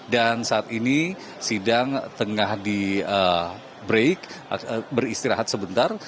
dan saat ini sidang tengah di break beristirahat sebentar